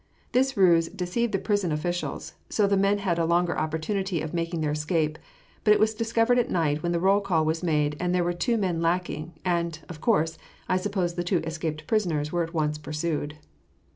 This ruse deceived the prison officials, so the men had a longer opportunity of making their escape; but it was discovered at night when the roll call was made that there were two men lacking, and, of course, I suppose the two escaped prisoners were at once pursued.